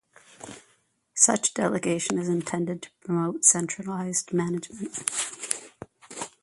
Such delegation is intended to promote centralized management.